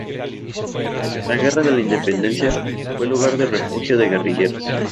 Durante la Guerra de la Independencia fue lugar de refugio de guerrilleros.